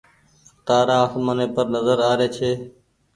تآرآ آسمآني پر نزر آري ڇي۔